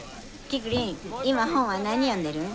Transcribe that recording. キクリン今本は何読んでるん？